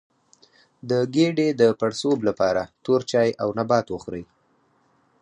د ګیډې د پړسوب لپاره تور چای او نبات وخورئ